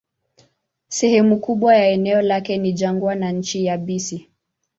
Sehemu kubwa ya eneo lake ni jangwa na nchi yabisi.